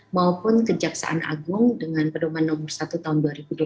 maupun kejaksaan agung dengan pedoman nomor satu tahun dua ribu dua puluh